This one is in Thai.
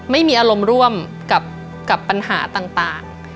ไม่มีอารมณ์ร่วมกับปัญหาต่าง